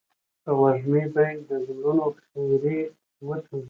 او وږمې به يې د زړونو خيري وتوږي.